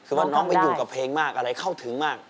คือว่าน้องไปอยู่กับเพลงมากอะไรเข้าถึงมาก